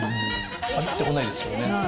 ぱりっとこないですよね。